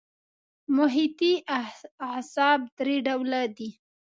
محیطي اعصاب درې ډوله دي.